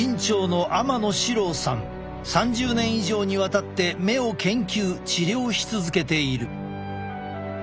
３０年以上にわたって目を研究治療し続けている。